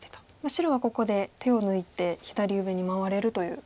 白はここで手を抜いて左上に回れるという。